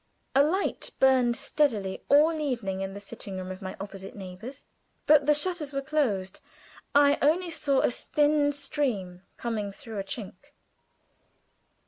A light burned steadily all evening in the sitting room of my opposite neighbors; but the shutters were closed. I only saw a thin stream coming through a chink.